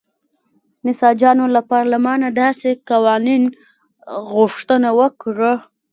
نساجانو له پارلمانه داسې قانون غوښتنه وکړه.